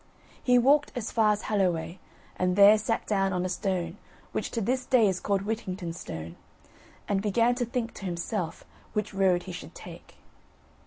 He walked as far as Holloway; and there sat down on a stone, which to this day is called "Whittington's Stone," and began to think to himself which road he should take.